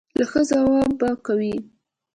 او ښۀ خوب به کوي -